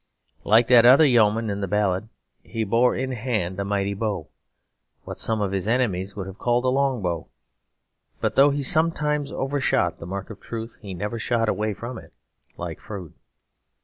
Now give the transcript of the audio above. Like that other yeoman in the ballad, he bore in hand a mighty bow; what some of his enemies would have called a long bow. But though he sometimes overshot the mark of truth, he never shot away from it, like Froude.